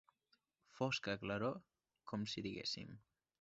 Fosca claror, com si diguéssim.